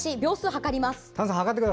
計ります。